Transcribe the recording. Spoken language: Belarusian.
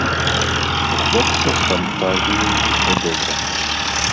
У хлопца з фантазіяй усё добра.